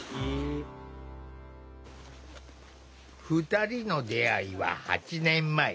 ２人の出会いは８年前。